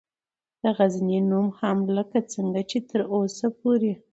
دغزنی نوم هم لکه څنګه چې تراوسه پورې